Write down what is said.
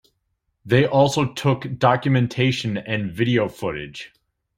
They also took documentation and video footage.